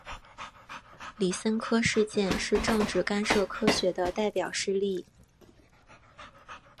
李森科事件是政治干涉科学的代表事例。